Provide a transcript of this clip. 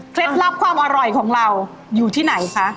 ลับความอร่อยของเราอยู่ที่ไหนคะ